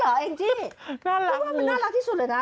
น่ารักคือเพราะว่ามันน่ารักที่สุดเลยนะ